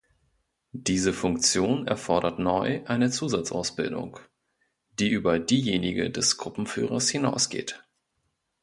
Diese Funktion erfordert neu eine Zusatzausbildung, die über diejenige des Gruppenführers hinausgeht.